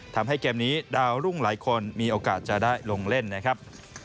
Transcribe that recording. ทำให้เกมนี้ดาวรุ่งหลายคนมีโอกาสจะได้ลงเล่นนะครับ